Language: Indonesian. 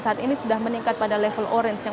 saat ini sudah meningkat pada level orange yang